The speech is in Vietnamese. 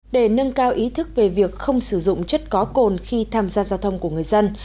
để nâng cao ý thức về việc không sử dụng chất có cồn khi tham gia giao thông của người dân